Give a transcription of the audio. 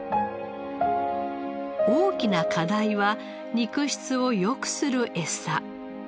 大きな課題は肉質をよくするエサ。